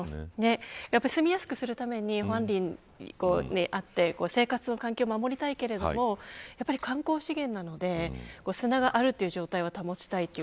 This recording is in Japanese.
住みやすくするために保安林があって生活の環境は守りたいけど観光資源なので砂があるという状態を保ちたい。